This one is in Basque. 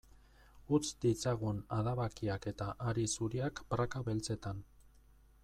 Utz ditzagun adabakiak eta hari zuriak praka beltzetan.